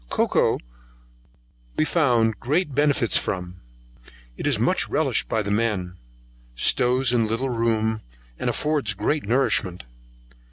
Cocoa we found great benefit from; it is much relished by the men, stows in little room, and affords great nourishment.